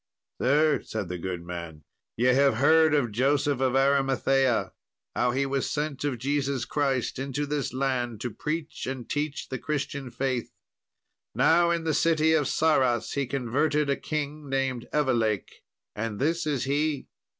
"Sir," said the good man, "ye have heard of Joseph of Arimathea, how he was sent of Jesus Christ into this land to preach and teach the Christian faith. Now, in the city of Sarras he converted a king named Evelake, and this is he.